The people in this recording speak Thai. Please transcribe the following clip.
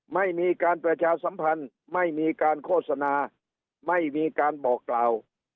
ไม่มีการประชาสัมพันธ์ไม่มีการโฆษณาไม่มีการบอกกล่าว